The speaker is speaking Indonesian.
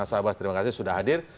nah si abbas terima kasih sudah hadir